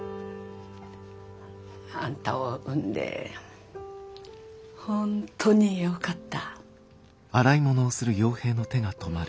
あんたを産んで本当によかった。